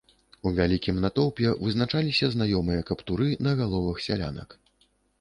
У вялікім натоўпе вызначаліся знаёмыя каптуры на галовах сялянак.